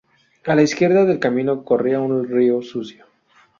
A la izquierda del camino corría un río Sucio.